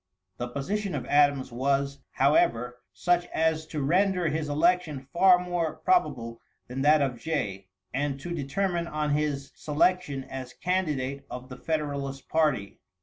The position of Adams was, however, such as to render his election far more probable than that of Jay, and to determine on his selection as candidate of the Federalist party.